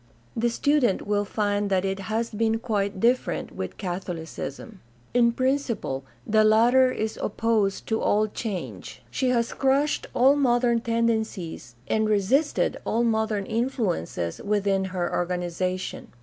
The student will find that it has been quite different with Catholicism. In principle the latter is opposed to all 440 GUIDE TO STUDY OF CHRISTIAN RELIGION change. She has crushed all modern tendencies and resisted all modern influences within her organization.